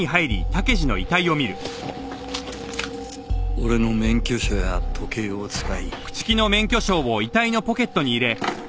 俺の免許証や時計を使い。